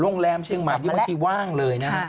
โรงแรมเชียงใหม่นี่บางทีว่างเลยนะฮะ